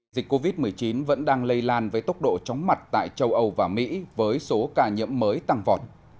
dịch covid một mươi chín vẫn đang lây lan với tốc độ chóng mặt tại châu âu và mỹ với số ca nhiễm mới tăng vọt